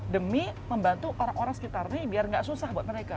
demi membantu orang orang sekitarnya biar gak susah buat mereka